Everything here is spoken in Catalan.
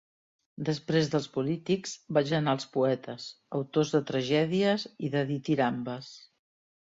Després dels polítics vaig anar als poetes, autors de tragèdies i de ditirambes.